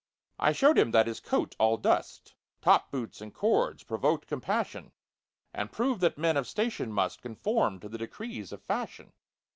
I showed him that his coat, all dust, Top boots and cords provoked compassion, And proved that men of station must Conform to the decrees of fashion.